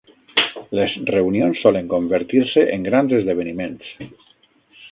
Les reunions solen convertir-se en grans esdeveniments.